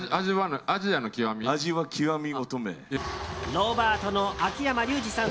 ロバートの秋山竜次さん